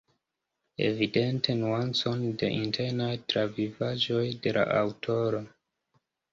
Evidente, nuancon de internaj travivaĵoj de la aŭtoro.